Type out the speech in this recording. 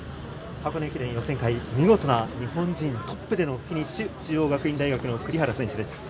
箱根駅伝予選会、見事に日本人トップでフィニッシュ、中央学院大学の栗原選手です。